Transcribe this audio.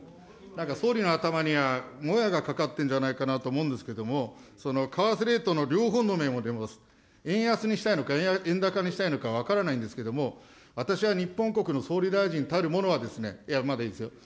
なんか総理の頭には、もやがかかってるんじゃないかなと思うんですけれども、その為替レートの両方の面を見ます、円安にしたいのか、円高にしたいのか分からないんですけれども、私は日本国の総理大臣たるものはですね、いや、まだいいですよ。